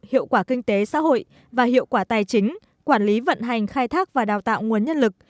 hiệu quả kinh tế xã hội và hiệu quả tài chính quản lý vận hành khai thác và đào tạo nguồn nhân lực